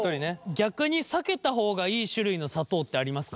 逆に避けた方がいい種類の砂糖ってありますか？